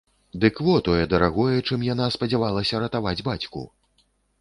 Дык во тое дарагое, чым яна спадзявалася ратаваць бацьку!